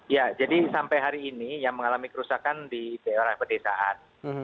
ya jadi sampai hari ini yang mengalami kerusakan di daerah pedesaan